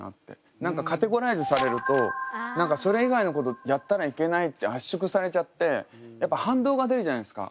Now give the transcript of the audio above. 何かカテゴライズされるとそれ以外のことやったらいけないって圧縮されちゃってやっぱ反動が出るじゃないですか。